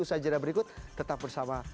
di video berikut tetap bersama